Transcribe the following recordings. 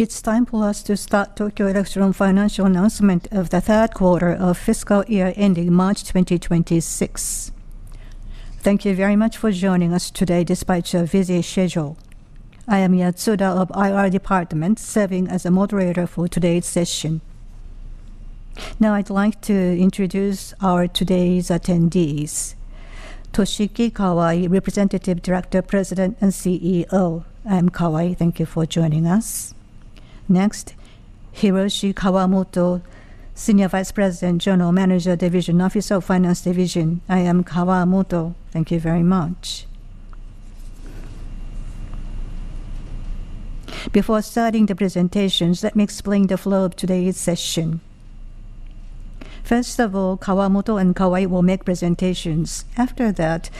It's time for us to start Tokyo Electron financial announcement of the Third Quarter of fiscal year ending March 2026. Thank you very much for joining us today despite your busy schedule. I am Yatsuda of IR Department, serving as a moderator for today's session. Now, I'd like to introduce our today's attendees. Toshiki Kawai, Representative Director, President, and CEO. I am Kawai. Thank you for joining us. Next, Hiroshi Kawamoto, Senior Vice President, General Manager of Finance Division. I am Kawamoto. Thank you very much. Before starting the presentations, let me explain the flow of today's session. First of all, Kawamoto and Kawai will make presentations. After that,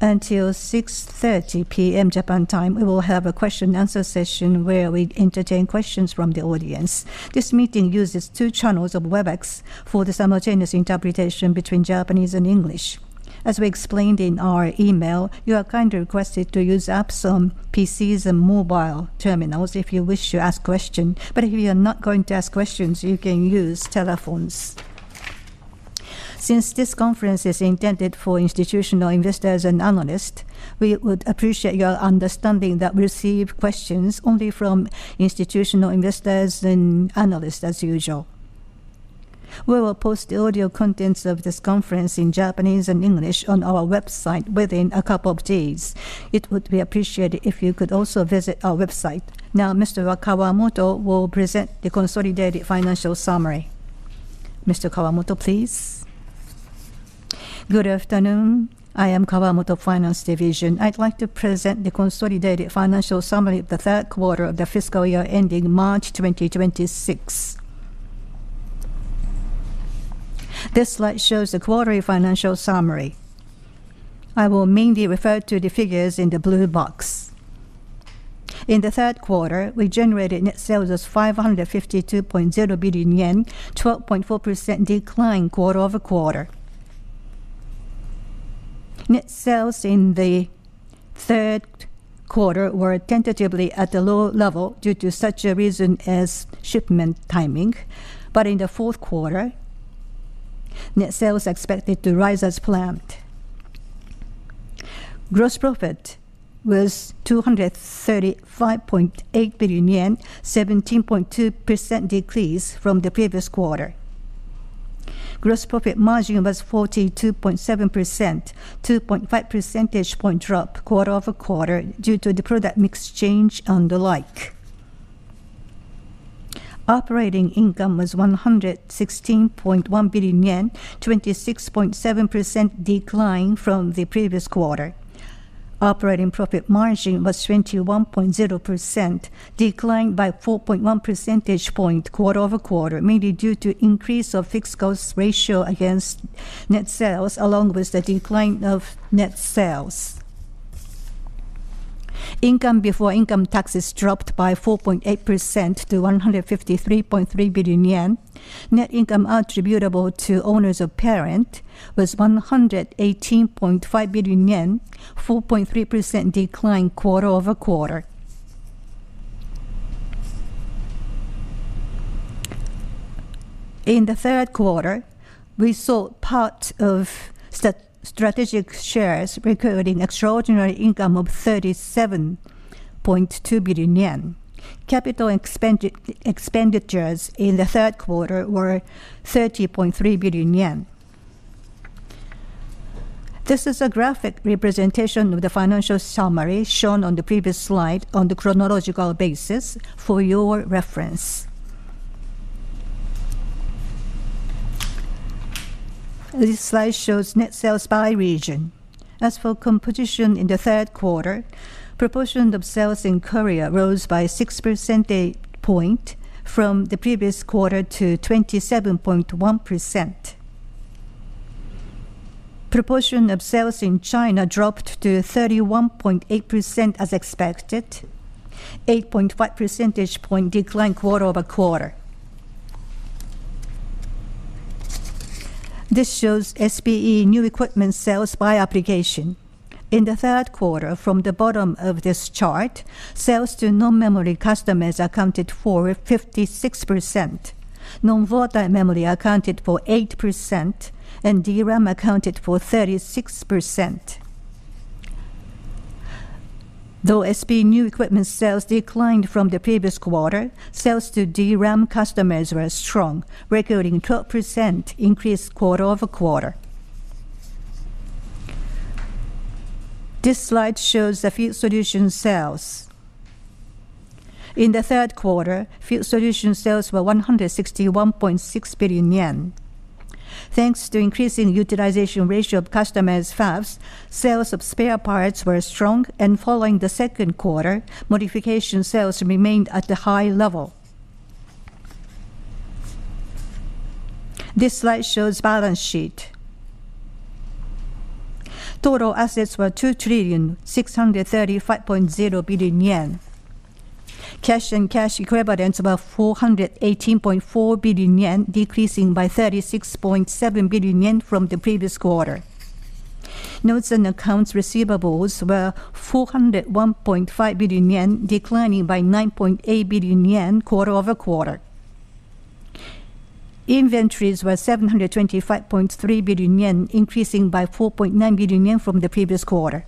until 6:30 P.M. Japan time, we will have a question and answer session where we entertain questions from the audience. This meeting uses two channels of WebEx for the simultaneous interpretation between Japanese and English. As we explained in our email, you are kindly requested to use apps on PCs and mobile terminals if you wish to ask question, but if you are not going to ask questions, you can use telephones. Since this conference is intended for institutional investors and analysts, we would appreciate your understanding that we receive questions only from institutional investors and analysts as usual. We will post the audio contents of this conference in Japanese and English on our website within a couple of days. It would be appreciated if you could also visit our website. Now, Mr. Kawamoto will present the consolidated financial summary. Mr. Kawamoto, please. Good afternoon. I am Kawamoto, Finance Division. I'd like to present the consolidated financial summary of the third quarter of the fiscal year ending March 2026. This slide shows the quarterly financial summary. I will mainly refer to the figures in the blue box. In the Third Quarter, we generated net sales as 552.0 billion yen, 12.4% decline quarter-over-quarter. Net sales in the third quarter were tentatively at a lower level due to such a reason as shipment timing, but in the fourth quarter, net sales are expected to rise as planned. Gross profit was 235.8 billion yen, 17.2% decrease from the previous quarter. Gross profit margin was 42.7%, 2.5% drop quarter-over-quarter due to the product mix change and the like. Operating income was 116.1 billion yen, 26.7% decline from the previous quarter. Operating profit margin was 21.0%, declined by 4.1% quarter-over-quarter, mainly due to increase of fixed cost ratio against net sales, along with the decline of net sales. Income before income taxes dropped by 4.8% to 153.3 billion yen. Net income attributable to owners of parent was 118.5 billion yen, 4.3% decline quarter-over-quarter. In the third quarter, we sold part of strategic shares, recording extraordinary income of 37.2 billion yen. Capital expenditures in the third quarter were 30.3 billion yen. This is a graphic representation of the financial summary shown on the previous slide on the chronological basis for your reference. This slide shows net sales by region. As for competition in the third quarter, proportion of sales in Korea rose by 6% from the previous quarter to 27.1%. Proportion of sales in China dropped to 31.8% as expected, 8.5% decline quarter-over-quarter. This shows SPE new equipment sales by application. In the third quarter, from the bottom of this chart, sales to non-memory customers accounted for 56%. Non-volatile memory accounted for 8%, and DRAM accounted for 36%. Though SPE new equipment sales declined from the previous quarter, sales to DRAM customers were strong, recording 12% increase quarter-over-quarter. This slide shows the Field Solutions sales. In the third quarter, Field Solutions sales were 161.6 billion yen. Thanks to increasing utilization ratio of customers' fabs, sales of spare parts were strong, and following the second quarter, modification sales remained at a high level. This slide shows balance sheet. Total assets were 2,635.0 billion yen. Cash and cash equivalents were 418.4 billion yen, decreasing by 36.7 billion yen from the previous quarter. Notes and accounts receivables were 401.5 billion yen, declining by 9.8 billion yen quarter-over-quarter. Inventories were 725.3 billion yen, increasing by 4.9 billion yen from the previous quarter.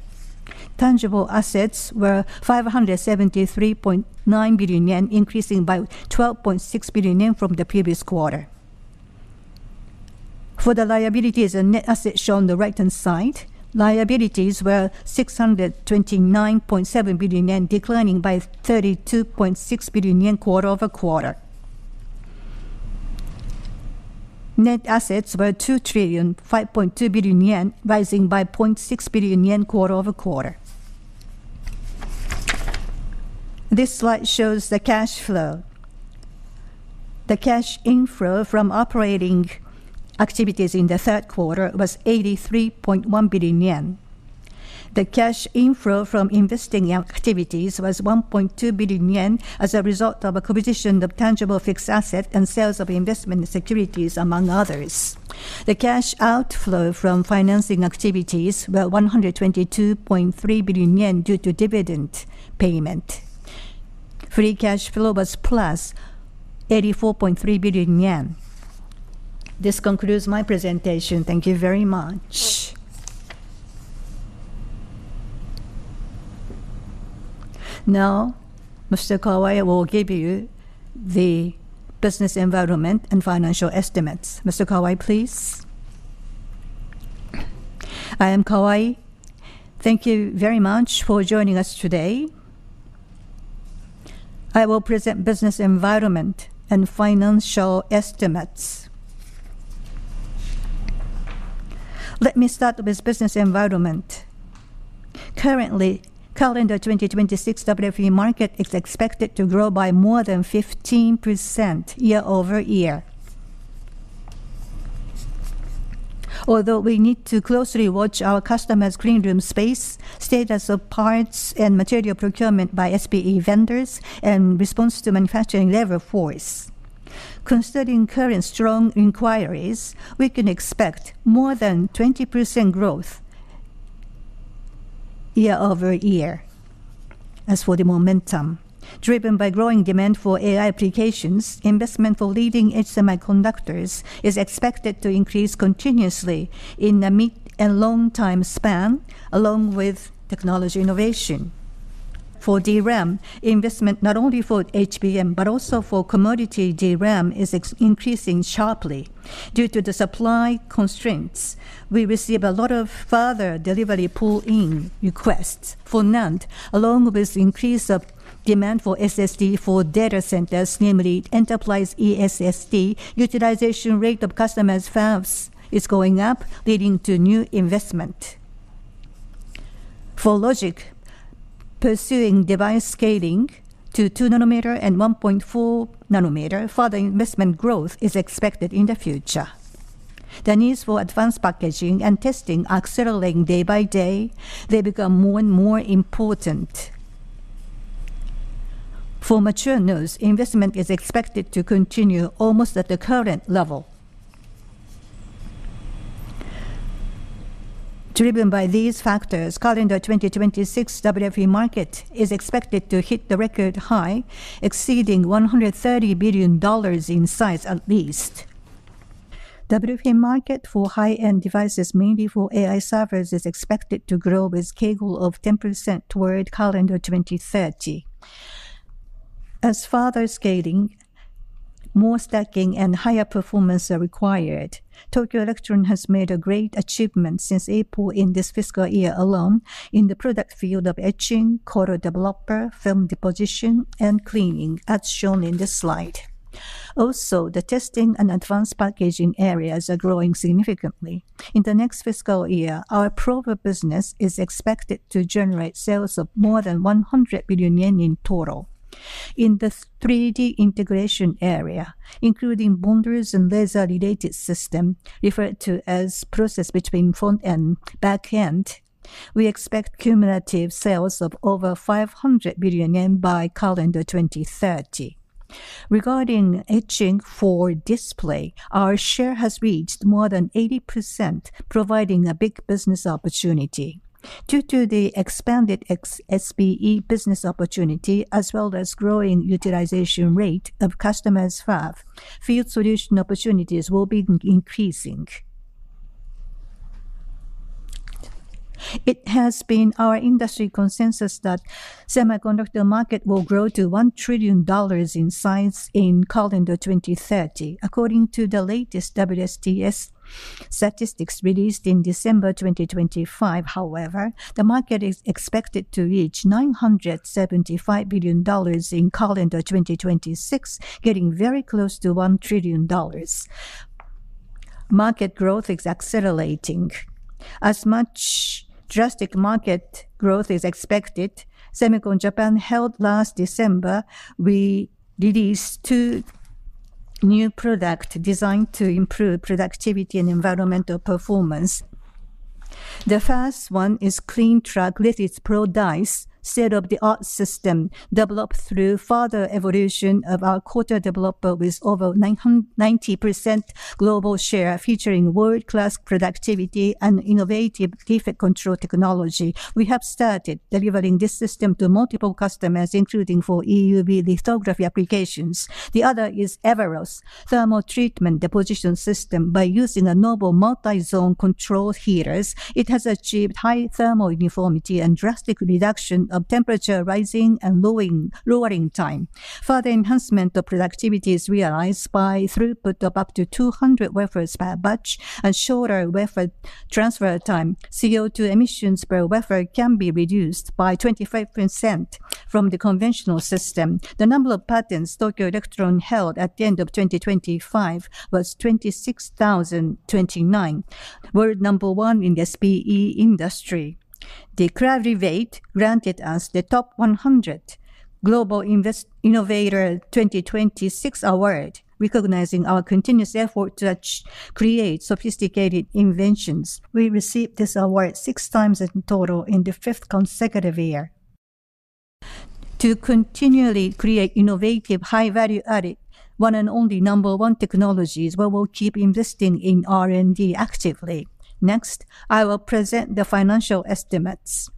Tangible assets were 573.9 billion yen, increasing by 12.6 billion yen from the previous quarter. For the liabilities and net assets shown on the right-hand side, liabilities were 629.7 billion yen, declining by 32.6 billion yen quarter-over-quarter. Net assets were 2,005.2 billion yen, rising by 0.6 billion yen quarter-over-quarter. This slide shows the cash flow. The cash inflow from operating activities in the third quarter was 83.1 billion yen. The cash inflow from investing activities was 1.2 billion yen as a result of acquisition of tangible fixed asset and sales of investment securities, among others. The cash outflow from financing activities were 122.3 billion yen due to dividend payment. Free cash flow was +84.3 billion yen. This concludes my presentation. Thank you very much. Now, Mr. Kawai will give you the business environment and financial estimates. Mr. Kawai, please. I am Kawai. Thank you very much for joining us today. I will present business environment and financial estimates. Let me start with business environment. Currently, calendar 2026 WFE market is expected to grow by more than 15% year-over-year. Although we need to closely watch our customers' clean room space, status of parts, and material procurement by SPE vendors, and response to manufacturing labor force. Considering current strong inquiries, we can expect more than 20% growth year-over-year. As for the momentum, driven by growing demand for AI applications, investment for leading-edge semiconductors is expected to increase continuously in the mid and long time span, along with technology innovation. For DRAM, investment not only for HBM, but also for commodity DRAM, is increasing sharply. Due to the supply constraints, we receive a lot of further delivery pull-in requests for NAND, along with increase of demand for SSD for data centers, namely enterprise SSD, utilization rate of customers' fabs is going up, leading to new investment. For logic, pursuing device scaling to 2nm and 1.4nm, further investment growth is expected in the future. The needs for advanced packaging and testing are accelerating day by day, they become more and more important. For mature nodes, investment is expected to continue almost at the current level. Driven by these factors, calendar 2026 WFE market is expected to hit the record high, exceeding $130 billion in size at least. WFE market for high-end devices, mainly for AI servers, is expected to grow with CAGR of 10% toward calendar 2030. As further scaling, more stacking, and higher performance are required, Tokyo Electron has made a great achievement since April in this fiscal year alone in the product field of etching, coater/developer, film deposition, and cleaning, as shown in this slide. Also, the testing and advanced packaging areas are growing significantly. In the next fiscal year, our prober business is expected to generate sales of more than 100 billion yen in total. In the 3D integration area, including bonder and laser-related system, referred to as process between front-end and back-end, we expect cumulative sales of over 500 billion yen by calendar 2030. Regarding etching for display, our share has reached more than 80%, providing a big business opportunity. Due to the expanded used SPE business opportunity, as well as growing utilization rate of customers' fab, field solutions opportunities will be increasing. It has been our industry consensus that semiconductor market will grow to $1 trillion in size in calendar 2030. According to the latest WSTS statistics released in December 2025, however, the market is expected to reach $975 billion in calendar 2026, getting very close to $1 trillion. Market growth is accelerating. As much drastic market growth is expected, SEMICON Japan, held last December, we released two new product designed to improve productivity and environmental performance. The first one is CLEAN TRACK LITHIUS Pro DICE state-of-the-art system, developed through further evolution of our coater/developer with over 90% global share, featuring world-class productivity and innovative defect control technology. We have started delivering this system to multiple customers, including for EUV lithography applications. The other is EVAROS thermal treatment deposition system. By using a novel multi-zone control heaters, it has achieved high thermal uniformity and drastic reduction of temperature rising and lowering, lowering time. Further enhancement of productivity is realized by throughput of up to 200 wafers per batch and shorter wafer transfer time. CO2 emissions per wafer can be reduced by 25% from the conventional system. The number of patents Tokyo Electron held at the end of 2025 was 26,029, world number one in the SPE industry. The Clarivate granted us the top 100 Global Innovators 2026 award, recognizing our continuous effort to create sophisticated inventions. We received this award 6 times in total in the fifth consecutive year. To continually create innovative, high-value added, one and only number one technologies, we will keep investing in R&D actively. Next, I will present the financial estimates.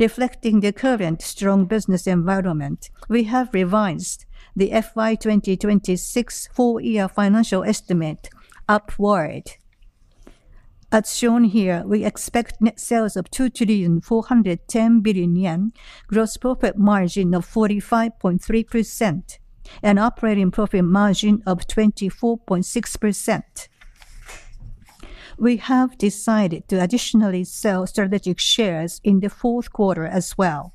Reflecting the current strong business environment, we have revised the FY 2026 full year financial estimate upward. As shown here, we expect net sales of 2,410 billion yen, gross profit margin of 45.3%, and operating profit margin of 24.6%. We have decided to additionally sell strategic shares in the fourth quarter as well.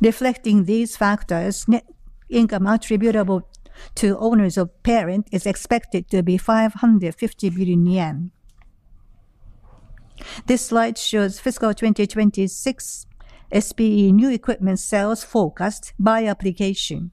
Reflecting these factors, net income attributable to owners of parent is expected to be 550 billion yen. This slide shows fiscal 2026 SPE new equipment sales forecast by application.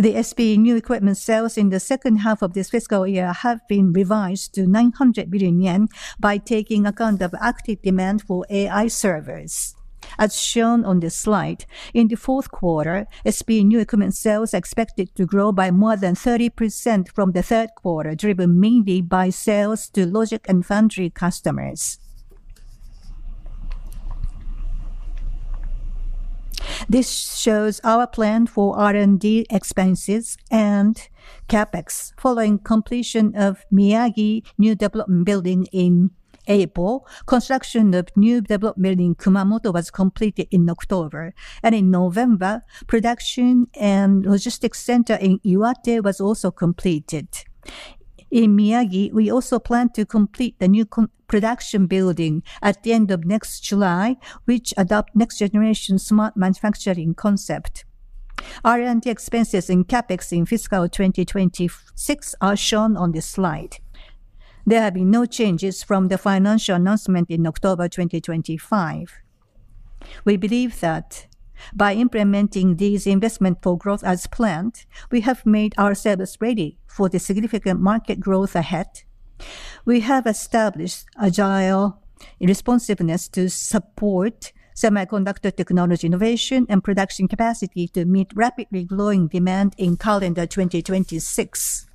The SPE new equipment sales in the second half of this fiscal year have been revised to 900 billion yen by taking account of active demand for AI servers. As shown on this slide, in the fourth quarter, SPE new equipment sales are expected to grow by more than 30% from the third quarter, driven mainly by sales to logic and foundry customers. This shows our plan for R&D expenses and CapEx. Following completion of Miyagi new development building in April, construction of new development building in Kumamoto was completed in October, and in November, production and logistics center in Iwate was also completed. In Miyagi, we also plan to complete the production building at the end of next July, which adopt next generation smart manufacturing concept. R&D expenses in CapEx in fiscal 2026 are shown on this slide. There have been no changes from the financial announcement in October 2025. We believe that by implementing these investment for growth as planned, we have made our service ready for the significant market growth ahead. We have established agile responsiveness to support semiconductor technology innovation and production capacity to meet rapidly growing demand in calendar 2026.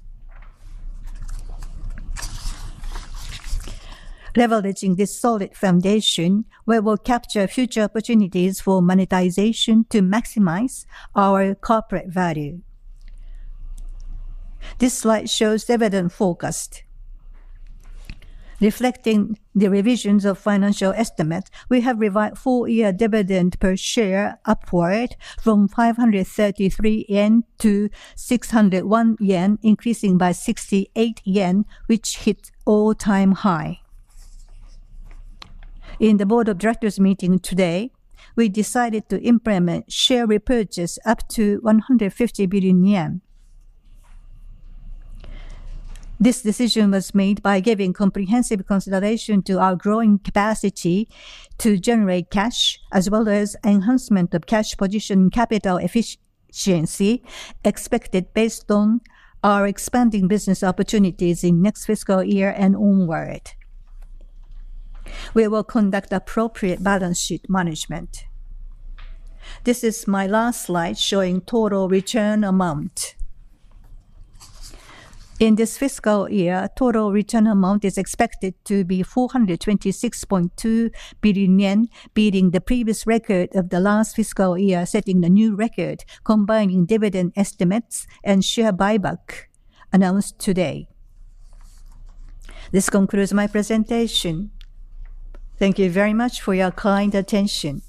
Leveraging this solid foundation, we will capture future opportunities for monetization to maximize our corporate value. This slide shows dividend forecast. Reflecting the revisions of financial estimates, we have revised full year dividend per share upward from 533 yen to 601 yen, increasing by 68 yen, which hit all-time high. In the board of directors meeting today, we decided to implement share repurchase up to 150 billion yen. This decision was made by giving comprehensive consideration to our growing capacity to generate cash, as well as enhancement of cash position capital efficiency expected based on our expanding business opportunities in next fiscal year and onward. We will conduct appropriate balance sheet management. This is my last slide, showing total return amount. In this fiscal year, total return amount is expected to be 426.2 billion yen, beating the previous record of the last fiscal year, setting the new record, combining dividend estimates and share buyback announced today. This concludes my presentation. Thank you very much for your kind attention.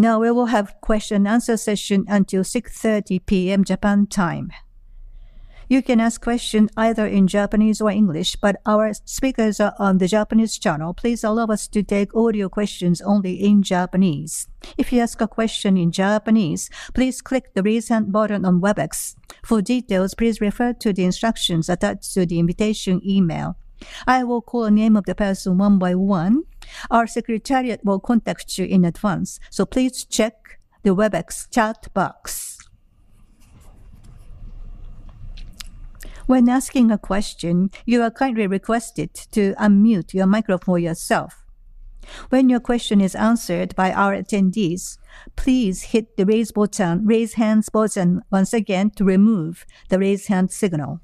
Now, we will have question and answer session until 6:30 P.M. Japan time. You can ask question either in Japanese or English, but our speakers are on the Japanese channel. Please allow us to take audio questions only in Japanese. If you ask a question in Japanese, please click the Raise Hand button on WebEx. For details, please refer to the instructions attached to the invitation email. I will call the name of the person one by one. Our secretariat will contact you in advance, so please check the WebEx chat box. When asking a question, you are kindly requested to unmute your microphone yourself. When your question is answered by our attendees, please hit the Raise button, Raise Hands button once again to remove the Raise Hand signal.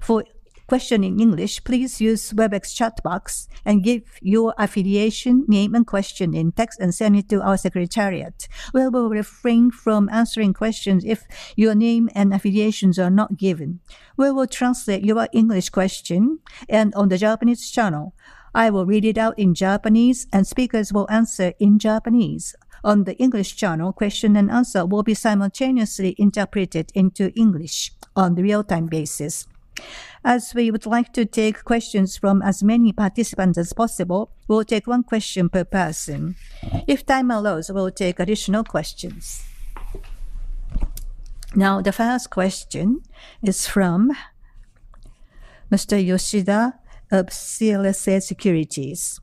For question in English, please use WebEx chat box and give your affiliation, name, and question in text and send it to our secretariat. We will refrain from answering questions if your name and affiliations are not given. We will translate your English question, and on the Japanese channel, I will read it out in Japanese, and speakers will answer in Japanese. On the English channel, question and answer will be simultaneously interpreted into English on the real-time basis. As we would like to take questions from as many participants as possible, we'll take one question per person. If time allows, we'll take additional questions. Now, the first question is from Mr. Yoshida of CLSA Securities.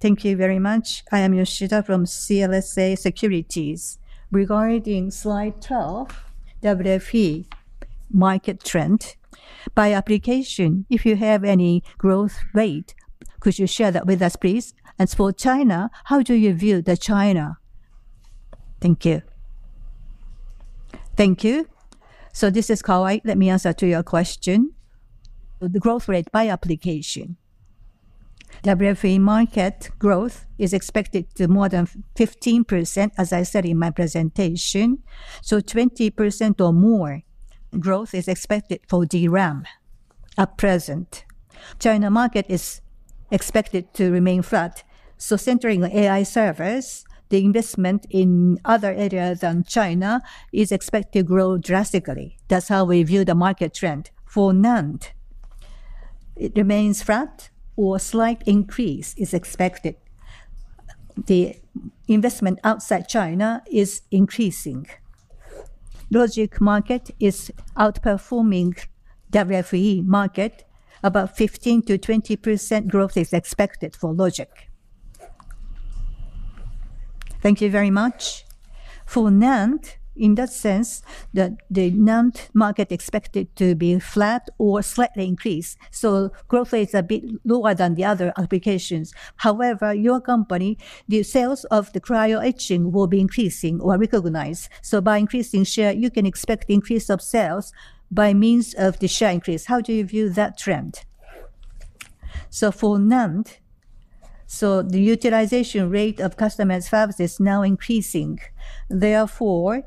Thank you very much. I am Yoshida from CLSA Securities. Regarding slide 12, WFE market trend, by application, if you have any growth rate, could you share that with us, please? As for China, how do you view the China? Thank you. Thank you. So this is Kawai. Let me answer to your question. The growth rate by application. WFE market growth is expected to more than 15%, as I said in my presentation, so 20% or more growth is expected for DRAM at present. China market is expected to remain flat, so centering AI servers, the investment in other areas than China is expected to grow drastically. That's how we view the market trend. For NAND, it remains flat or slight increase is expected. The investment outside China is increasing. Logic market is outperforming WFE market. About 15%-20% growth is expected for logic. Thank you very much. For NAND, in that sense, the NAND market expected to be flat or slightly increased, so growth rate is a bit lower than the other applications. However, your company, the sales of the cryo etching will be increasing or recognized, so by increasing share, you can expect increase of sales by means of the share increase. How do you view that trend? So for NAND, the utilization rate of customers' fabs is now increasing. Therefore,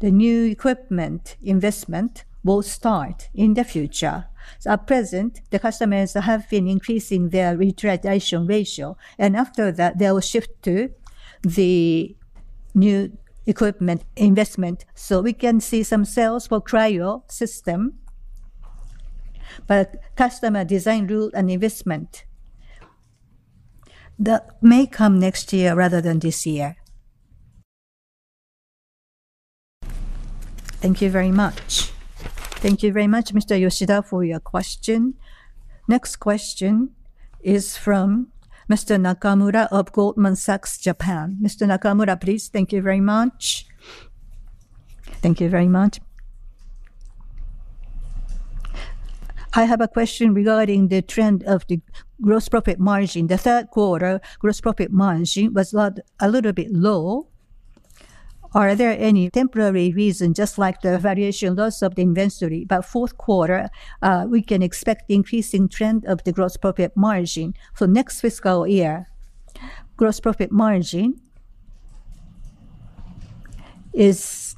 the new equipment investment will start in the future. So at present, the customers have been increasing their retardation ratio, and after that, they will shift to the new equipment investment. So we can see some sales for cryo system, but customer design rule and investment, that may come next year rather than this year. Thank you very much. Thank you very much, Mr. Yoshida, for your question. Next question is from Mr. Nakamura of Goldman Sachs Japan. Mr. Nakamura, please. Thank you very much. Thank you very much. I have a question regarding the trend of the gross profit margin. The third quarter gross profit margin was not a little bit low. Are there any temporary reason, just like the valuation loss of the inventory? By fourth quarter, we can expect the increasing trend of the gross profit margin. For next fiscal year, gross profit margin is.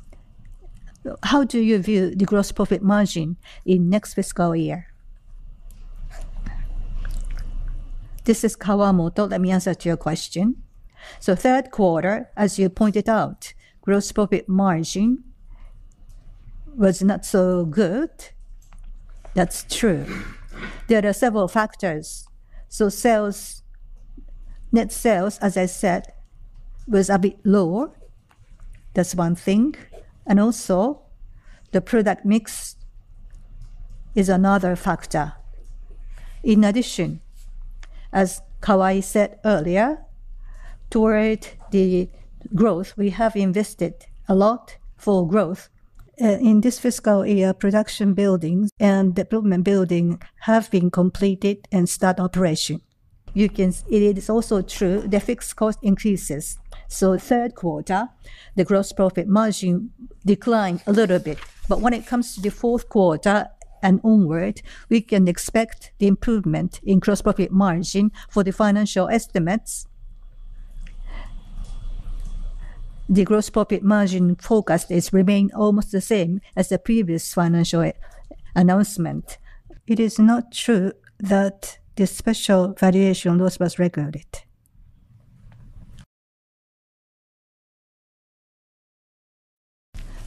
How do you view the gross profit margin in next fiscal year? This is Kawamoto. Let me answer to your question. So third quarter, as you pointed out, gross profit margin was not so good. That's true. There are several factors. So sales, net sales, as I said, was a bit lower. That's one thing, and also, the product mix is another factor. In addition, as Kawai said earlier, toward the growth, we have invested a lot for growth. In this fiscal year, production buildings and development building have been completed and start operation. It is also true, the fixed cost increases. So third quarter, the gross profit margin declined a little bit, but when it comes to the fourth quarter and onward, we can expect the improvement in gross profit margin. For the financial estimates, the gross profit margin forecast is remain almost the same as the previous financial announcement. It is not true that the special valuation loss was recorded.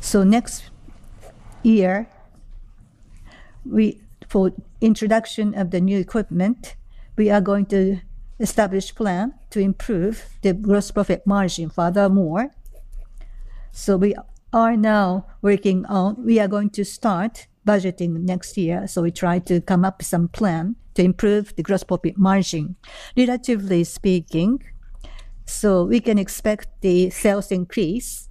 So next year, for introduction of the new equipment, we are going to establish plan to improve the Gross Profit Margin furthermore. So we are now working on. We are going to start budgeting next year, so we try to come up with some plan to improve the Gross Profit Margin, relatively speaking. So we can expect the sales increase.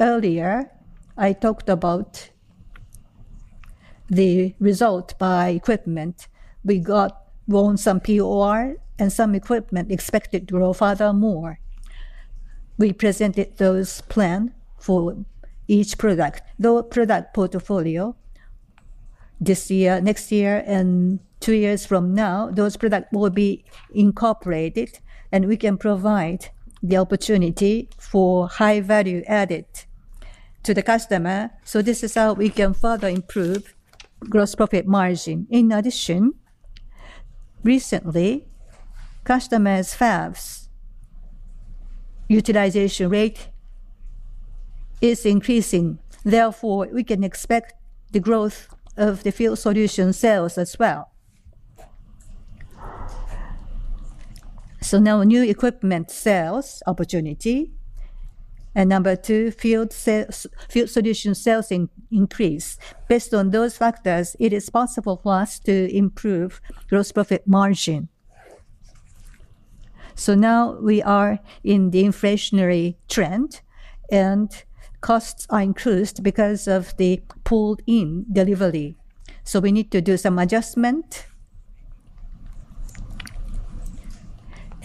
Earlier, I talked about the result by equipment. We got grown some POR, and some equipment expected to grow furthermore. We presented those plan for each product. The product portfolio this year, next year, and two years from now, those product will be incorporated, and we can provide the opportunity for high value added to the customer. So this is how we can further improve Gross Profit Margin. In addition, recently, customers' fabs utilization rate is increasing; therefore, we can expect the growth of the field solution sales as well. So now, new equipment sales opportunity, and number two, field solution sales increase. Based on those factors, it is possible for us to improve gross profit margin. So now we are in the inflationary trend, and costs are increased because of the pulled-in delivery, so we need to do some adjustment.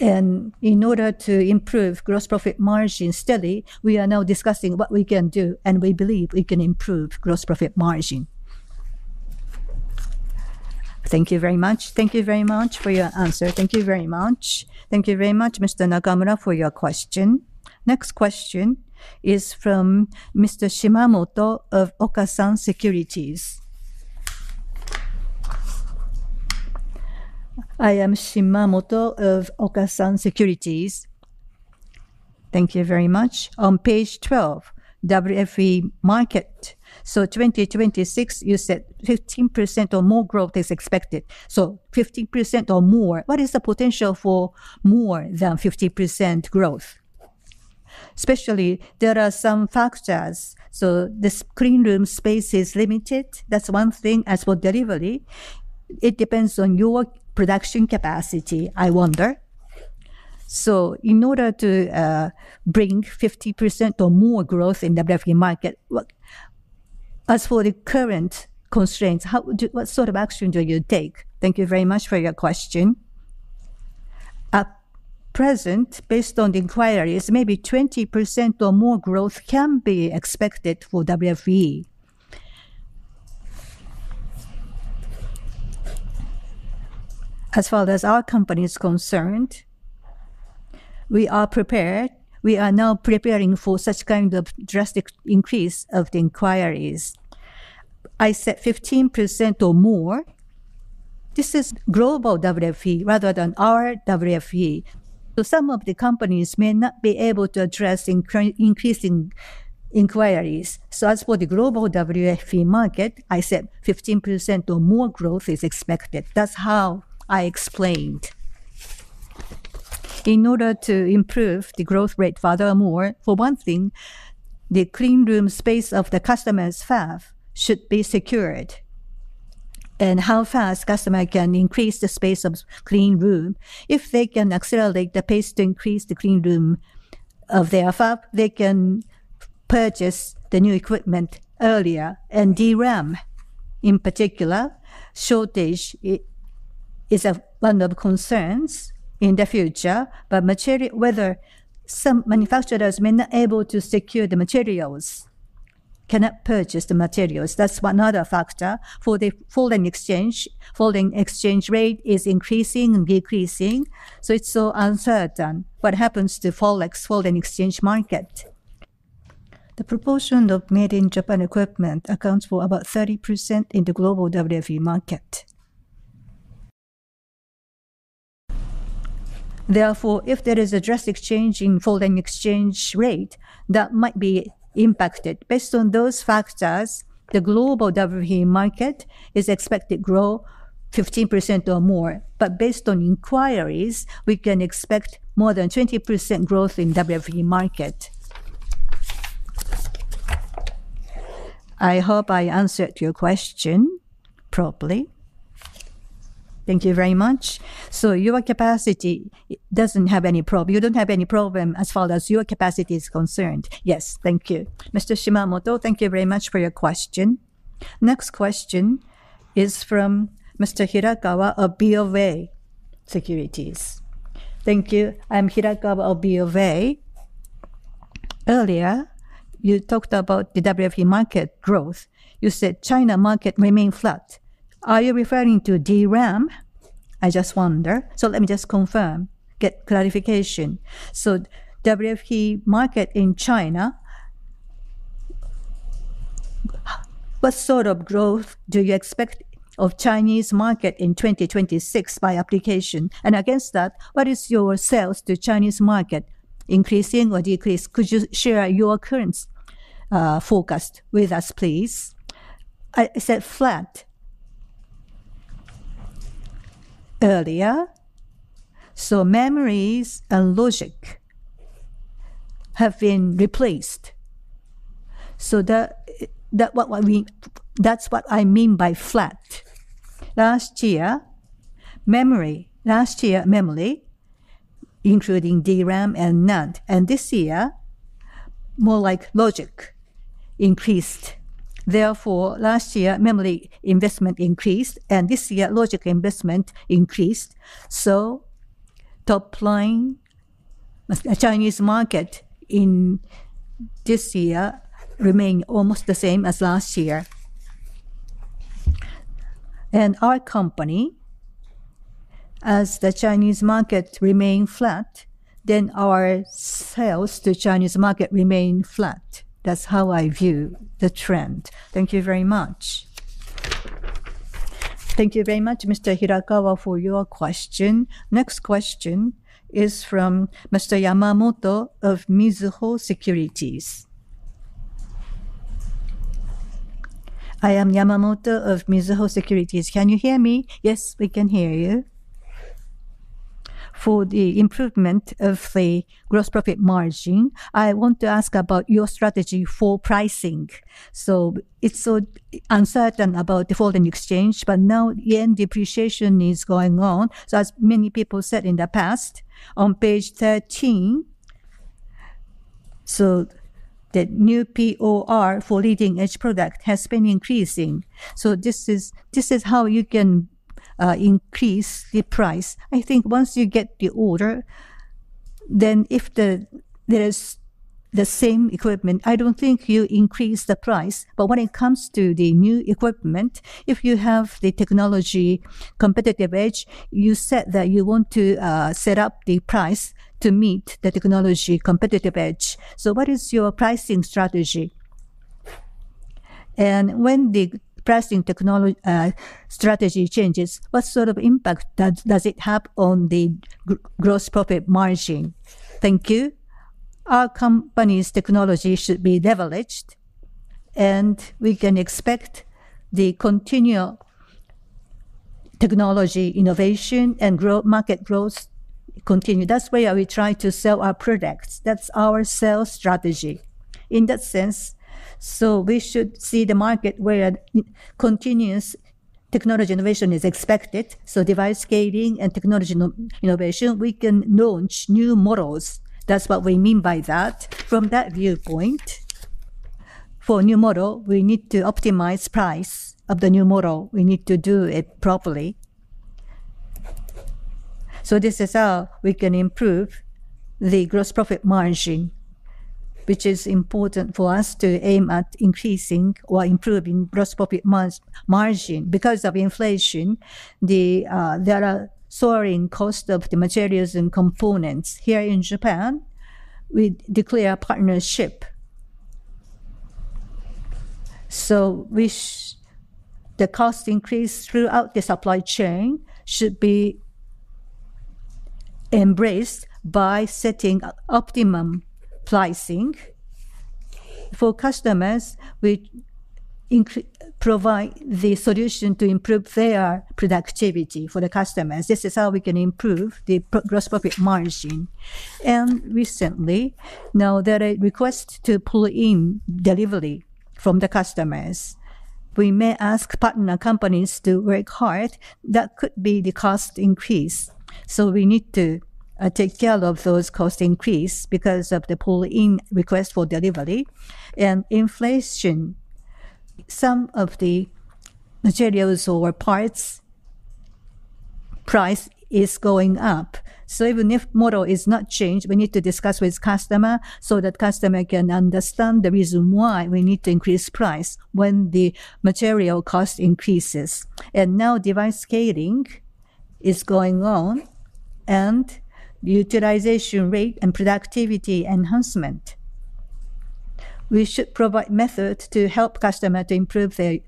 And in order to improve gross profit margin steadily, we are now discussing what we can do, and we believe we can improve gross profit margin. Thank you very much. Thank you very much for your answer. Thank you very much. Thank you very much, Mr. Nakamura, for your question. Next question is from Mr. Shimamoto of Okasan Securities. I am Shimamoto of Okasan Securities. Thank you very much. On page 12, WFE market. So 2026, you said 15% or more growth is expected. So 15% or more, what is the potential for more than 15% growth? Especially, there are some factors, so the clean room space is limited. That's one thing. As for delivery, it depends on your production capacity, I wonder. So in order to bring 50% or more growth in WFE marke. As for the current constraints, how would you-- what sort of action do you take? Thank you very much for your question. At present, based on the inquiries, maybe 20% or more growth can be expected for WFE. As far as our company is concerned, we are prepared. We are now preparing for such kind of drastic increase of the inquiries. I said 15% or more. This is global WFE rather than our WFE. So some of the companies may not be able to address increasing inquiries. So as for the global WFE market, I said 15% or more growth is expected. That's how I explained. In order to improve the growth rate furthermore, for one thing, the clean room space of the customer's fab should be secured, and how fast customer can increase the space of clean room. If they can accelerate the pace to increase the clean room of their fab, they can purchase the new equipment earlier. And DRAM, in particular, shortage is one of the concerns in the future, but whether some manufacturers may not able to secure the materials, cannot purchase the materials. That's one other factor. For the foreign exchange, foreign exchange rate is increasing and decreasing, so it's so uncertain what happens to Forex, foreign exchange market. The proportion of made-in-Japan equipment accounts for about 30% in the global WFE market. Therefore, if there is a drastic change in foreign exchange rate, that might be impacted. Based on those factors, the global WFE market is expected to grow 15% or more. But based on inquiries, we can expect more than 20% growth in WFE market. I hope I answered your question properly. Thank you very much. So your capacity doesn't have any problem as far as your capacity is concerned? Yes. Thank you. Mr. Shimamoto, thank you very much for your question. Next question is from Mr. Hirakawa of BofA Securities. Thank you. I'm Hirakawa of BOF. Earlier, you talked about the WFE market growth. You said China market remained flat. Are you referring to DRAM? I just wonder. So let me just confirm, get clarification. So WFE market in China, what sort of growth do you expect of Chinese market in 2026 by application? And against that, what is your sales to Chinese market, increasing or decreasing? Could you share your current forecast with us, please? I said flat earlier. So memories and logic have been replaced. So that, that's what I mean by flat. Last year, memory including DRAM and NAND, and this year, more like logic increased. Therefore, last year, memory investment increased, and this year, logic investment increased. So top line, Chinese market in this year remain almost the same as last year. And our company, as the Chinese market remain flat, then our sales to Chinese market remain flat. That's how I view the trend. Thank you very much. Thank you very much, Mr. Hirakawa, for your question. Next question is from Mr. Yamamoto of Mizuho Securities. I am Yamamoto of Mizuho Securities. Can you hear me? Yes, we can hear you. For the improvement of the gross profit margin, I want to ask about your strategy for pricing. So it's so uncertain about the foreign exchange, but now yen depreciation is going on. So as many people said in the past, on page 13, so the new POR for leading-edge product has been increasing. So this is, this is how you can increase the price. I think once you get the order, then if there's the same equipment, I don't think you increase the price. But when it comes to the new equipment, if you have the technology competitive edge, you said that you want to set up the price to meet the technology competitive edge. So what is your pricing strategy? And when the pricing strategy changes, what sort of impact does it have on the gross profit margin? Thank you. Our company's technology should be leveraged, and we can expect the continual technology innovation and growth, market growth continue. That's the way we try to sell our products. That's our sales strategy. In that sense, so we should see the market where continuous technology innovation is expected, so device scaling and technology innovation, we can launch new models. That's what we mean by that. From that viewpoint, for a new model, we need to optimize price of the new model. We need to do it properly. So this is how we can improve the gross profit margin, which is important for us to aim at increasing or improving gross profit margin. Because of inflation, the, there are soaring cost of the materials and components. Here in Japan, we declare a partnership. The cost increase throughout the supply chain should be embraced by setting optimum pricing. For customers, we provide the solution to improve their productivity for the customers. This is how we can improve the gross profit margin. And recently, now there are requests to pull in delivery from the customers. We may ask partner companies to work hard. That could be the cost increase, so we need to take care of those cost increase because of the pull-in request for delivery and inflation. Some of the materials or parts' price is going up, so even if model is not changed, we need to discuss with customer so that customer can understand the reason why we need to increase price when the material cost increases. And now device scaling is going on, and utilization rate and productivity enhancement. We should provide methods to help customer to improve their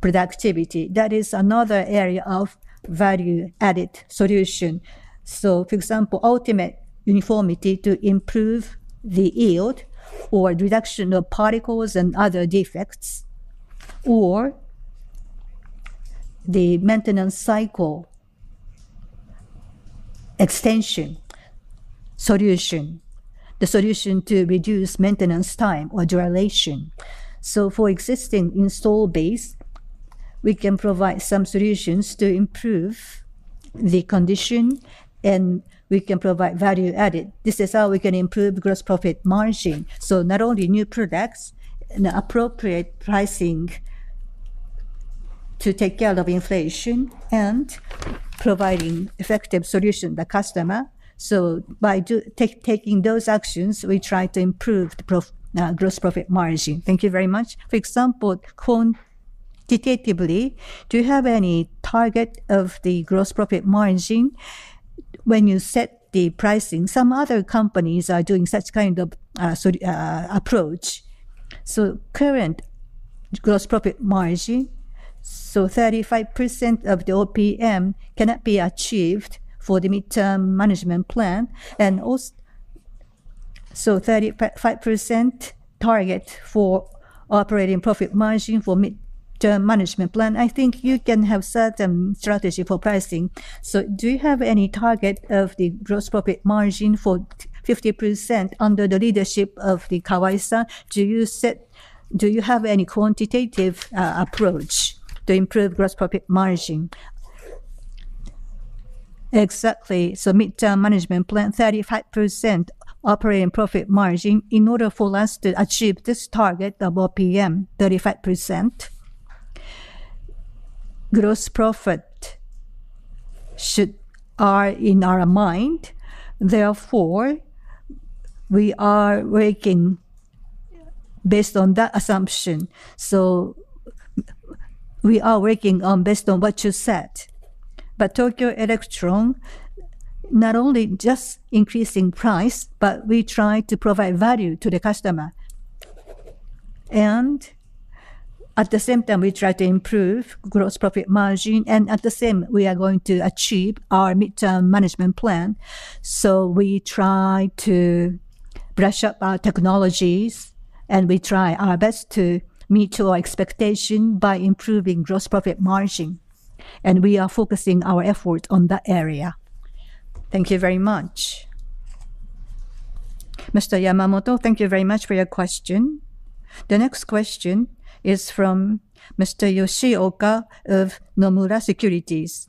productivity. That is another area of value-added solution. So, for example, ultimate uniformity to improve the yield, or reduction of particles and other defects, or the maintenance cycle extension solution, the solution to reduce maintenance time or duration. So for existing installed base, we can provide some solutions to improve the condition, and we can provide value added. This is how we can improve gross profit margin. So not only new products and appropriate pricing to take care of inflation and providing effective solution to the customer, so by taking those actions, we try to improve the gross profit margin. Thank you very much. For example, quantitatively, do you have any target of the gross profit margin when you set the pricing? Some other companies are doing such kind of solution approach. So current gross profit margin, so 35% of the OPM cannot be achieved for the mid-term management plan, and also, so 35% target for operating profit margin for mid-term management plan, I think you can have certain strategy for pricing. So do you have any target of the gross profit margin for 50% under the leadership of the Kawai? Do you set-- Do you have any quantitative approach to improve gross profit margin? Exactly. So mid-term management plan, 35% operating profit margin. In order for us to achieve this target of OPM, 35%, gross profit should are in our mind, therefore, we are working based on that assumption. So we are working on based on what you said. But Tokyo Electron, not only just increasing price, but we try to provide value to the customer. At the same time, we try to improve gross profit margin, and at the same, we are going to achieve our mid-term management plan. We try to brush up our technologies, and we try our best to meet your expectation by improving gross profit margin, and we are focusing our effort on that area. Thank you very much. Mr. Yamamoto, thank you very much for your question. The next question is from Mr. Yoshioka of Nomura Securities.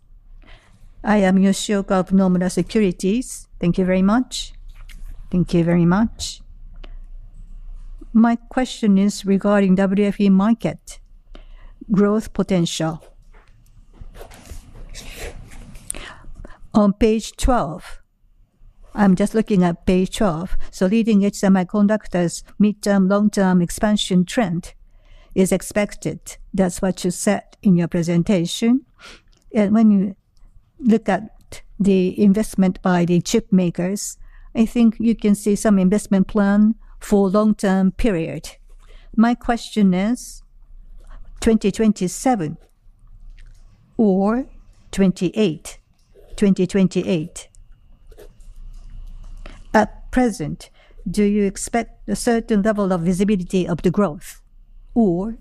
I am Yoshioka of Nomura Securities. Thank you very much. Thank you very much. My question is regarding WFE market growth potential. On page 12, I'm just looking at page 12. Leading semiconductors, mid-term, long-term expansion trend is expected. That's what you said in your presentation. When you look at the investment by the chip makers, I think you can see some investment plan for long-term period. My question is, 2027 or 2028, 2028. At present, do you expect a certain level of visibility of the growth, or,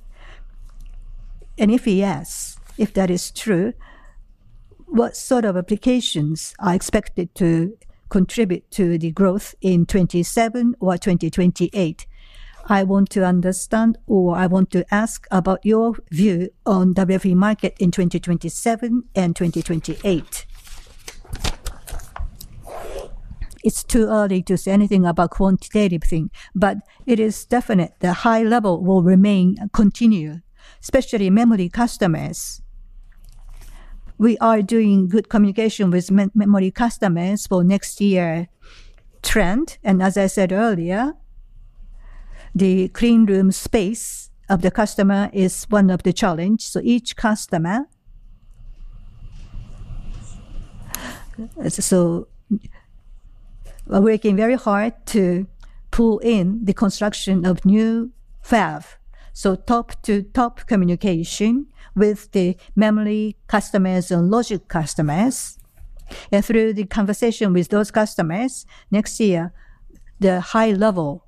and if yes, if that is true, what sort of applications are expected to contribute to the growth in 2027 or 2028? I want to understand, or I want to ask about your view on WFE market in 2027 and 2028. It's too early to say anything about quantitative thing, but it is definite the high level will remain and continue, especially memory customers. We are doing good communication with memory customers for next year trend, and as I said earlier, the clean room space of the customer is one of the challenge. So we're working very hard to pull in the construction of new fab. So top-to-top communication with the memory customers and logic customers, and through the conversation with those customers, next year, the high level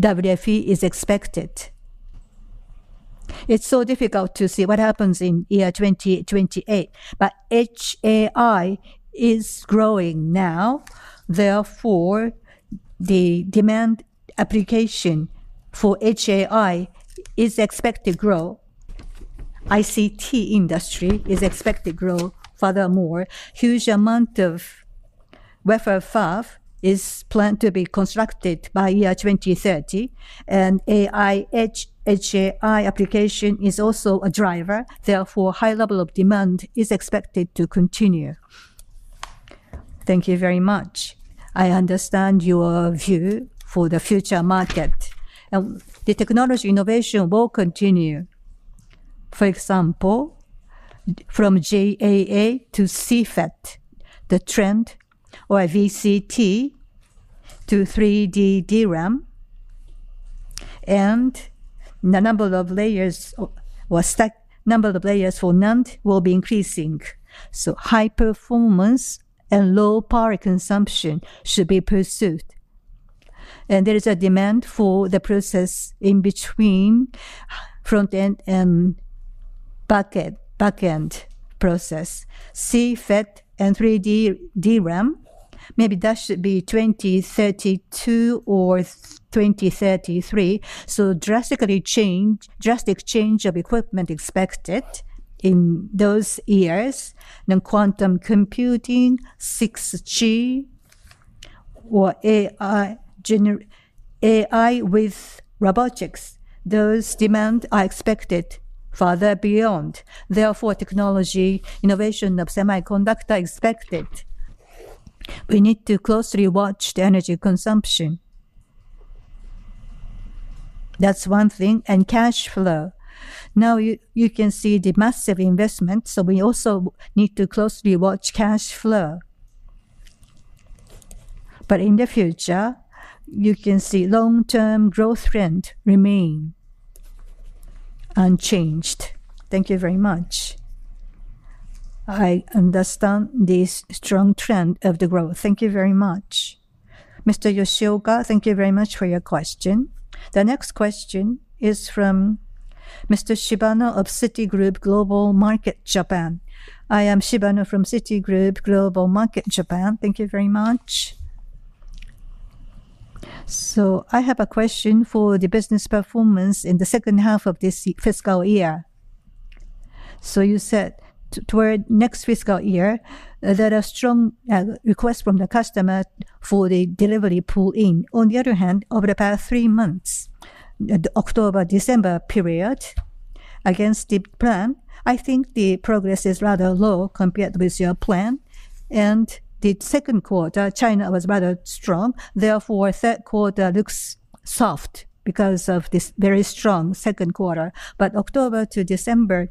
WFE is expected. It's so difficult to see what happens in year 2028, but Edge AI is growing now, therefore, the demand application for Edge AI is expected to grow. ICT industry is expected to grow. Furthermore, huge amount of wafer fab is planned to be constructed by year 2030, and AI, Edge AI application is also a driver, therefore, high level of demand is expected to continue. Thank you very much. I understand your view for the future market, and the technology innovation will continue. For example, from GAA to CFET, the trend or VCT to 3D DRAM, and the number of layers or stack, number of layers for NAND will be increasing, so high performance and low power consumption should be pursued. And there is a demand for the process in between front-end and back-end process. CFET and 3D DRAM, maybe that should be 2032 or 2033. So drastically change, drastic change of equipment expected in those years. Then quantum computing, six G or AI gener-- AI with robotics, those demand are expected further beyond. Therefore, technology innovation of semiconductor expected. We need to closely watch the energy consumption. That's one thing, and cash flow. Now, you, you can see the massive investment, so we also need to closely watch cash flow. But in the future, you can see long-term growth trend remain unchanged. Thank you very much. I understand this strong trend of the growth. Thank you very much, Mr. Yoshioka. Thank you very much for your question. The next question is from Mr. Shibano of Citigroup Global Markets Japan. I am Shibano from Citigroup Global Markets Japan. Thank you very much. So I have a question for the business performance in the second half of this fiscal year. So you said toward next fiscal year, there are strong requests from the customer for the delivery pull in. On the other hand, over the past three months, the October-December period, against the plan, I think the progress is rather low compared with your plan, and the second quarter, China was rather strong. Therefore, Third Quarter looks soft because of this very strong Second Quarter. But October to December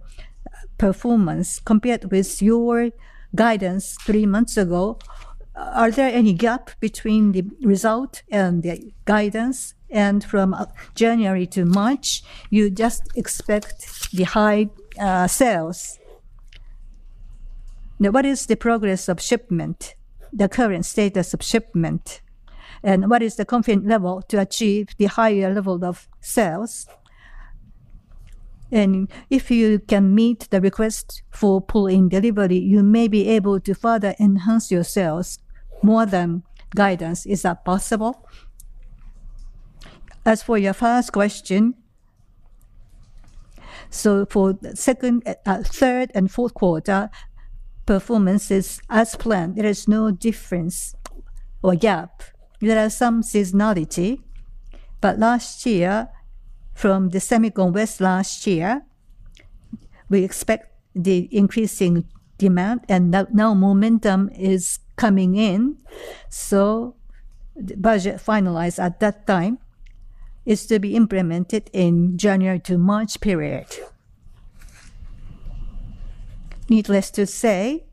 performance, compared with your guidance three months ago, are there any gap between the result and the guidance? And from January to March, you just expect the high sales. Now, what is the progress of shipment, the current status of shipment, and what is the confident level to achieve the higher level of sales? If you can meet the request for pull-in delivery, you may be able to further enhance your sales more than guidance. Is that possible? As for your first question, so for second, third and Fourth quarter, performance is as planned. There is no difference or gap. There are some seasonality, but last year, from the SEMICON West last year, we expect the increasing demand, and now momentum is coming in, so the budget finalized at that time is to be implemented in January to March period. Needless to say,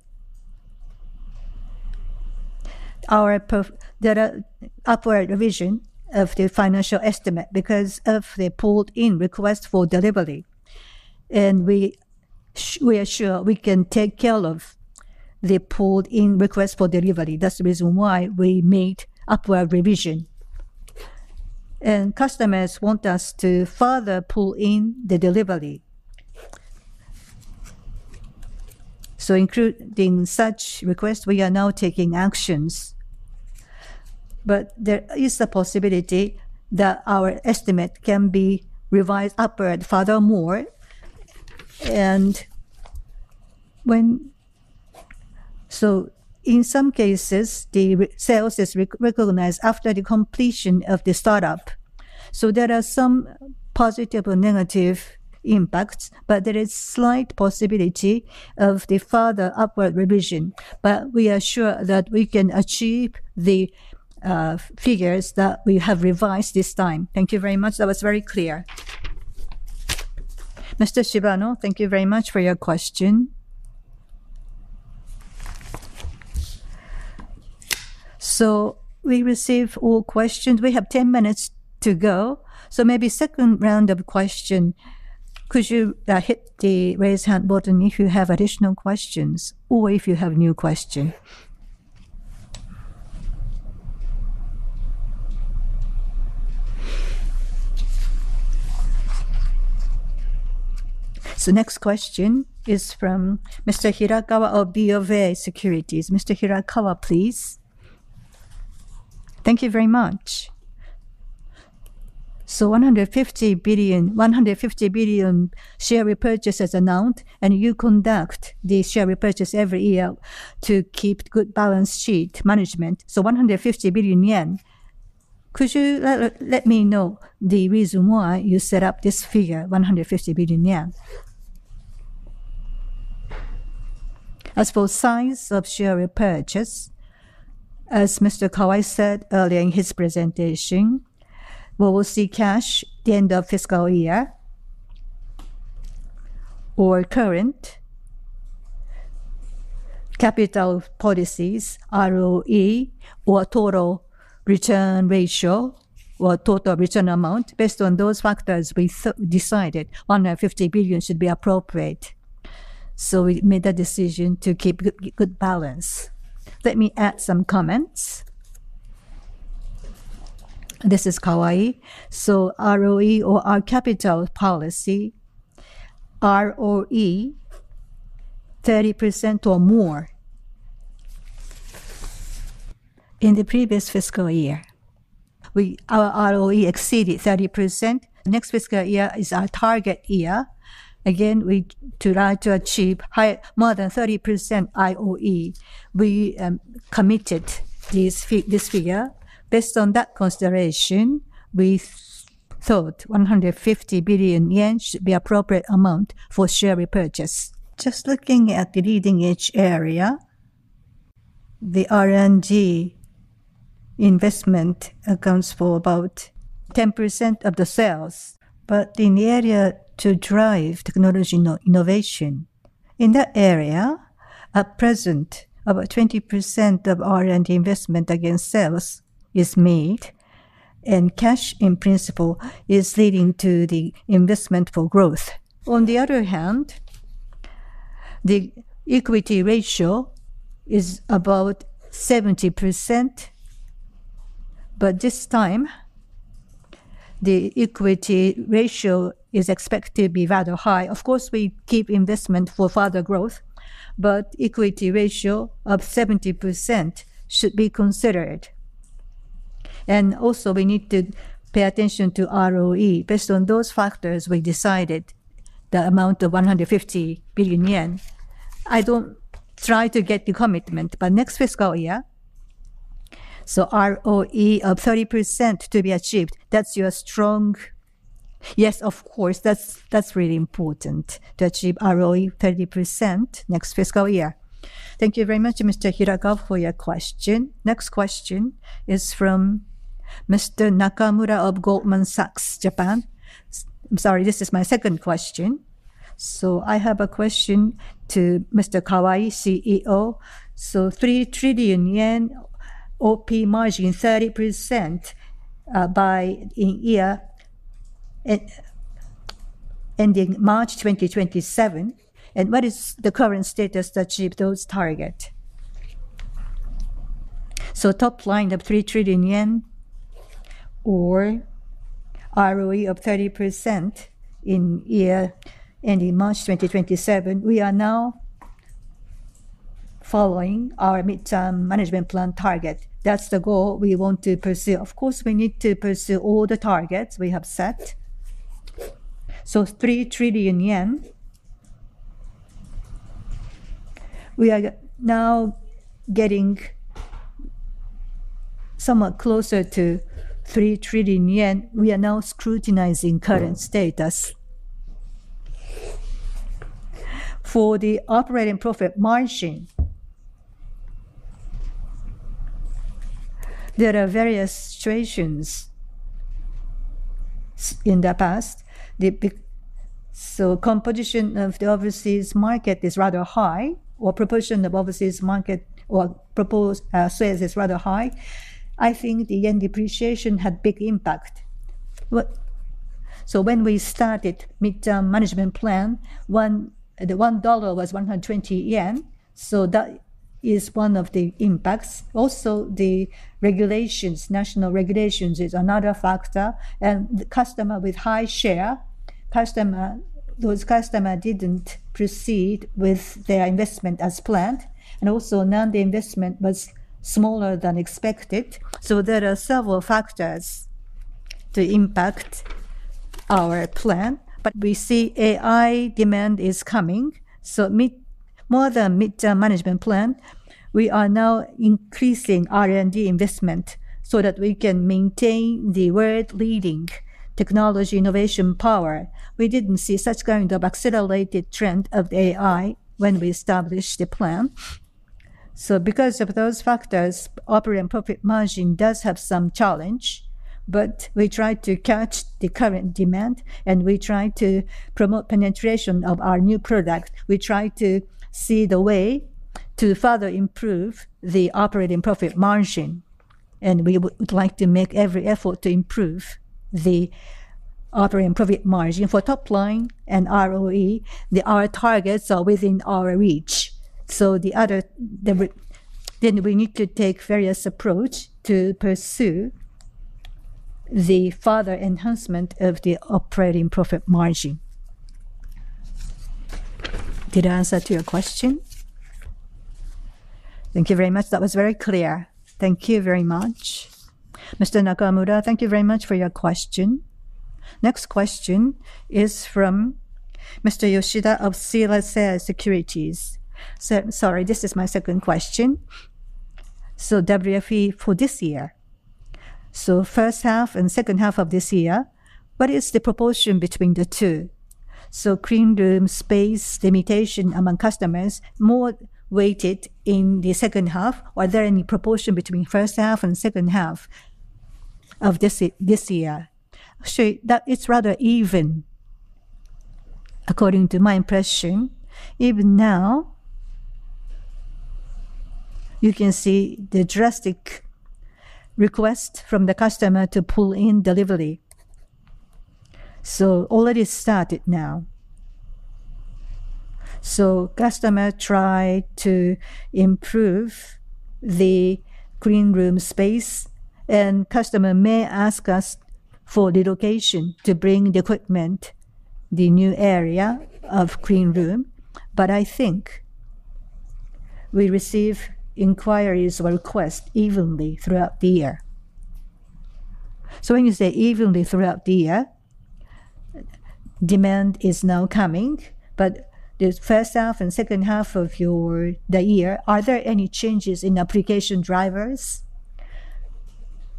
there are upward revision of the financial estimate because of the pulled-in request for delivery, and we are sure we can take care of the pulled-in request for delivery. That's the reason why we made upward revision. Customers want us to further pull in the delivery. So including such requests, we are now taking actions, but there is a possibility that our estimate can be revised upward furthermore. So in some cases, the sales is re-recognized after the completion of the startup. So there are some positive or negative impacts, but there is slight possibility of the further upward revision. But we are sure that we can achieve the figures that we have revised this time. Thank you very much. That was very clear. Mr. Shibano, thank you very much for your question. So we receive all questions. We have 10 minutes to go, so maybe second round of question. Could you hit the Raise Hand button if you have additional questions or if you have new question? So next question is from Mr. Hirakawa of BofA Securities. Mr. Hirakawa, please. Thank you very much. So 150 billion, 150 billion share repurchase is announced, and you conduct the share repurchase every year to keep good balance sheet management. So 150 billion yen. Could you let me know the reason why you set up this figure, 150 billion yen? As for signs of share repurchase, as Mr. Kawai said earlier in his presentation, we will see cash at the end of fiscal year or current capital policies, ROE or total return ratio, or total return amount. Based on those factors, we decided 150 billion should be appropriate, so we made the decision to keep good, good balance. Let me add some comments. This is Kawai. So ROE or our capital policy, ROE 30% or more. In the previous fiscal year. Our ROE exceeded 30%. Next fiscal year is our target year. Again, we try to achieve high, more than 30% ROE. We committed this figure. Based on that consideration, we thought 150 billion yen should be appropriate amount for share repurchase. Just looking at the leading-edge area, the R&D investment accounts for about 10% of the sales, but in the area to drive technology innovation, in that area, at present, about 20% of R&D investment against sales is made, and cash in principle is leading to the investment for growth. On the other hand, the equity ratio is about 70%, but this time, the equity ratio is expected to be rather high. Of course, we keep investment for further growth, but equity ratio of 70% should be considered. And also, we need to pay attention to ROE. Based on those factors, we decided the amount of 150 billion yen. I don't try to get the commitment, but next fiscal year. So ROE of 30% to be achieved, that's your strong- Yes, of course. That's, that's really important, to achieve ROE 30% next fiscal year. Thank you very much, Mr. Hirakawa, for your question. Next question is from Mr. Nakamura of Goldman Sachs Japan. S- I'm sorry, this is my second question. So I have a question to Mr. Kawai, CEO. So 3 trillion yen, OP margin 30%, by in year it ending March 2027, and what is the current status to achieve those target? So top line of 3 trillion yen or ROE of 30% in year, ending March 2027, we are now following our midterm management plan target. That's the goal we want to pursue. Of course, we need to pursue all the targets we have set. So JPY 3 trillion. We are now getting somewhat closer to 3 trillion yen. We are now scrutinizing current status. For the operating profit margin, there are various situations in the past. So competition of the overseas market is rather high, or proportion of overseas market or proposed sales is rather high. I think the yen depreciation had big impact. So when we started midterm management plan, one, the one dollar was 120 yen, so that is one of the impacts. Also, the regulations, national regulations, is another factor, and the customer with high share, customer, those customer didn't proceed with their investment as planned, and also NAND investment was smaller than expected. So there are several factors to impact our plan, but we see AI demand is coming. So, mid more than midterm management plan, we are now increasing R&D investment so that we can maintain the world-leading technology innovation power. We didn't see such kind of accelerated trend of AI when we established the plan. So because of those factors, operating profit margin does have some challenge, but we try to catch the current demand, and we try to promote penetration of our new product. We try to see the way to further improve the operating profit margin, and we would like to make every effort to improve the operating profit margin. For top line and ROE, our targets are within our reach. So then we need to take various approach to pursue the further enhancement of the operating profit margin. Did I answer to your question? Thank you very much. That was very clear. Thank you very much. Mr. Nakamura, thank you very much for your question. Next question is from Mr. Yoshida of CLSA Securities. So sorry, this is my second question. So WFE for this year, so first half and second half of this year, what is the proportion between the two? So clean room space limitation among customers more weighted in the second half. Are there any proportion between first half and second half of this year? So that is rather even, according to my impression. Even now, you can see the drastic request from the customer to pull in delivery. So already started now. So customer try to improve the clean room space, and customer may ask us for the location to bring the equipment, the new area of clean room. But I think we receive inquiries or requests evenly throughout the year. So when you say evenly throughout the year, demand is now coming, but the first half and second half of your, the year, are there any changes in application drivers?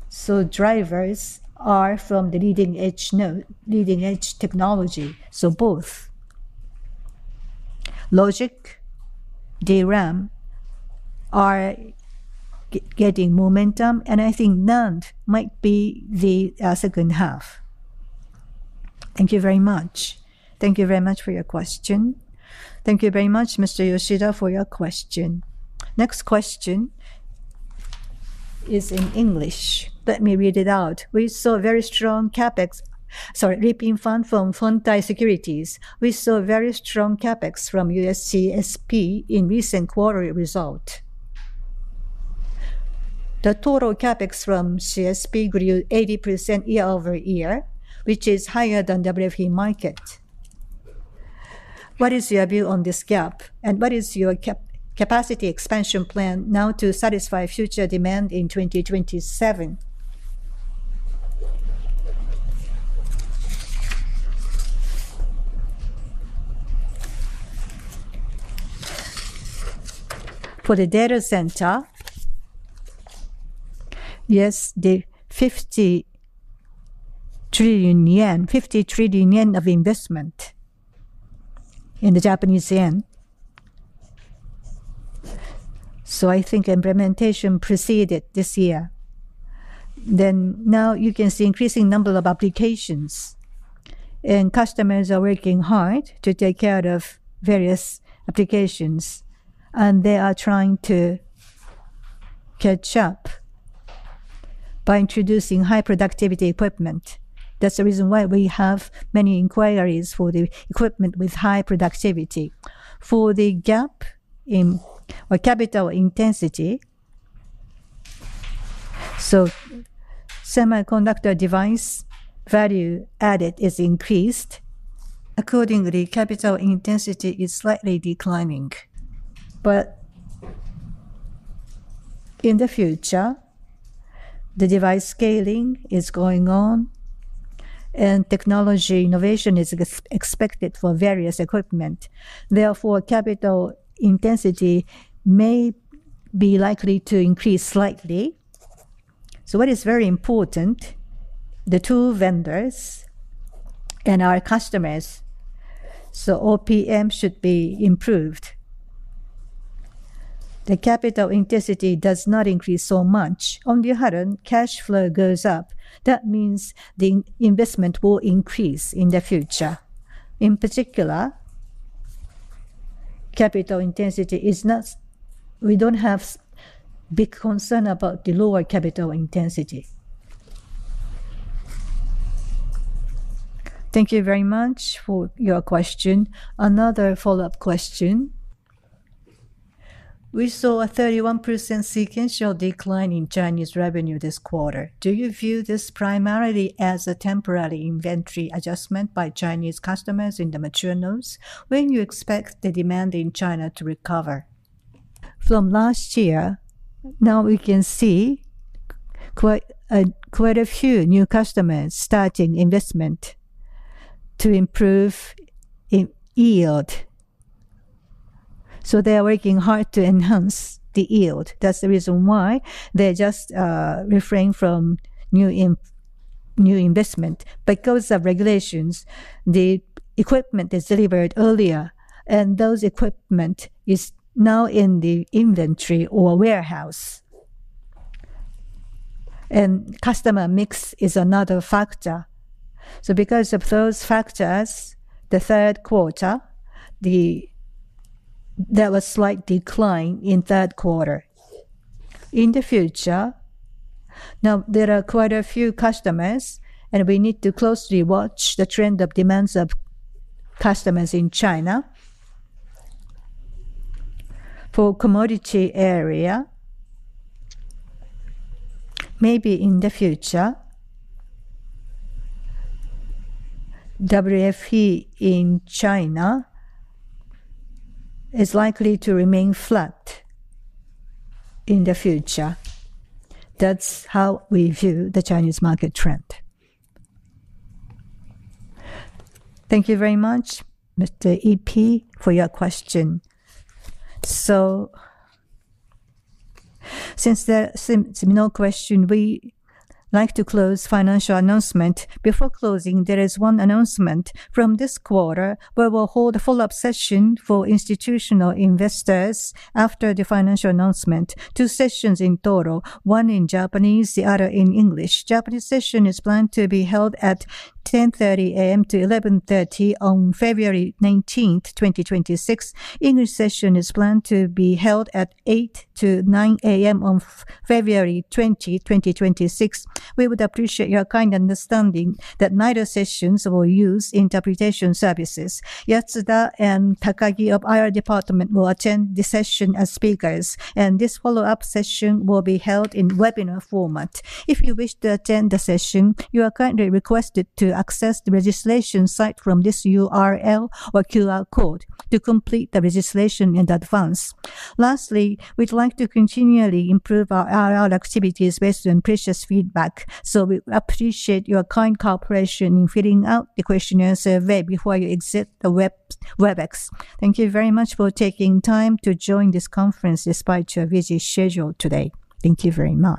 So drivers are from the leading-edge node, leading-edge technology. So both. Logic, DRAM are getting momentum, and I think NAND might be the second half. Thank you very much. Thank you very much for your question. Thank you very much, Mr. Yoshida, for your question. Next question is in English. Let me read it out. "We saw very strong CapEx..." Sorry, Liping Fan from Huatai Securities. "We saw very strong CapEx from TSMC in recent quarterly result. The total CapEx from TSMC grew 80% year-over-year, which is higher than WFE market. What is your view on this gap, and what is your capacity expansion plan now to satisfy future demand in 2027? For the data center, yes, the 50 trillion yen, 50 trillion yen of investment in the Japanese yen. So I think implementation proceeded this year. Then now you can see increasing number of applications, and customers are working hard to take care of various applications, and they are trying to catch up by introducing high-productivity equipment. That's the reason why we have many inquiries for the equipment with high productivity. For the gap in, or capital intensity, so semiconductor device value added is increased. Accordingly, capital intensity is slightly declining. But in the future, the device scaling is going on, and technology innovation is expected for various equipment. Therefore, capital intensity may be likely to increase slightly. So what is very important, the two vendors and our customers, so OPM should be improved. The capital intensity does not increase so much. On the other hand, cash flow goes up. That means the investment will increase in the future. In particular, capital intensity is not-- We don't have big concern about the lower capital intensity. Thank you very much for your question. Another follow-up question: "We saw a 31% sequential decline in Chinese revenue this quarter. Do you view this primarily as a temporary inventory adjustment by Chinese customers in the mature nodes? When you expect the demand in China to recover?" From last year, now we can see quite a few new customers starting investment to improve in yield. So they are working hard to enhance the yield. That's the reason why they just refrain from new investment. Because of regulations, the equipment is delivered earlier, and those equipment is now in the inventory or warehouse. Customer mix is another factor. Because of those factors, the third quarter. There was slight decline in third quarter. In the future, now there are quite a few customers, and we need to closely watch the trend of demands of customers in China. For commodity area, maybe in the future, WFE in China is likely to remain flat in the future. That's how we view the Chinese market trend. Thank you very much, Mr. Liping, for your question. Since there seems to be no question, we like to close financial announcement. Before closing, there is one announcement. From this quarter, we will hold a follow-up session for institutional investors after the financial announcement. Two sessions in total, one in Japanese, the other in English. Japanese session is planned to be held at 10:30 A.M. to 11:30 on February 19th, 2026. English session is planned to be held at 8:00 A.M. to 9:00 A.M. on February 20, 2026. We would appreciate your kind understanding that neither sessions will use interpretation services. Yatsuda and Takagi of IR Department will attend the session as speakers, and this follow-up session will be held in webinar format. If you wish to attend the session, you are kindly requested to access the registration site from this URL or QR code to complete the registration in advance. Lastly, we'd like to continually improve our IR activities based on previous feedback, so we appreciate your kind cooperation in filling out the questionnaire survey before you exit the WebEx. Thank you very much for taking time to join this conference despite your busy schedule today. Thank you very much.